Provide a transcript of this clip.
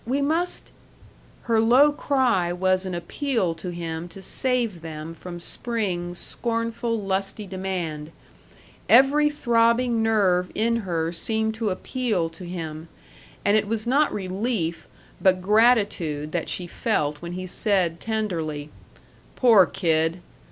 We must " Her low cry was an appeal to him to save them from spring's scornful, lusty demand; every throbbing nerve in her seemed to appeal to him; and it was not relief, but gratitude, that she felt when he said, tenderly, "Poor kid!...